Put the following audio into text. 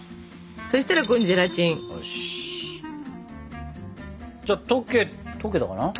そしたらここにゼラチン。じゃ溶け溶けたかな？